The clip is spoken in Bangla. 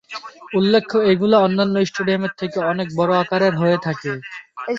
উল্লেখ্য, এগুলি অন্যান্য স্টেডিয়ামের থেকে অনেক বড়ো আকারের হয়ে থাকে।